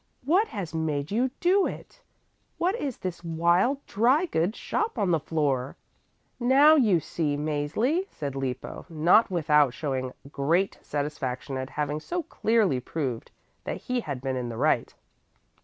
What has made you do it? What is this wild dry goods shop on the floor?" "Now, you see, Mäzli," said Lippo, not without showing great satisfaction at having so clearly proved that he had been in the right.